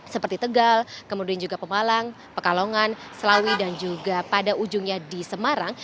seperti tegal kemudian juga pemalang pekalongan selawi dan juga pada ujungnya di semarang